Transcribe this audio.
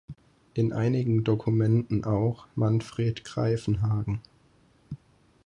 In einigen Dokumenten auch: Manfred Greifenhagen.